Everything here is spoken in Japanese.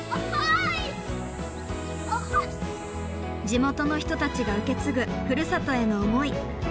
地元の人たちが受け継ぐふるさとへの思い。